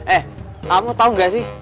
eh kamu tau gak sih